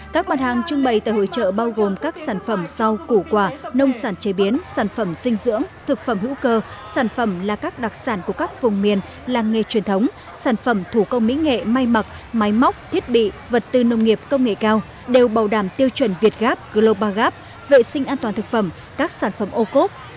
các bản hàng trưng bày tại hội trợ bao gồm các sản phẩm rau củ quả nông sản chế biến sản phẩm sinh dưỡng thực phẩm hữu cơ sản phẩm là các đặc sản của các vùng miền làng nghề truyền thống sản phẩm thủ công mỹ nghệ may mặc máy móc thiết bị vật tư nông nghiệp công nghệ cao đều bảo đảm tiêu chuẩn việt gap global gap vệ sinh an toàn thực phẩm các sản phẩm ô cốt